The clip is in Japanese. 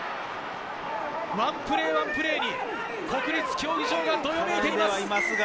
ワンプレーワンプレーに国立競技場がどよめいています。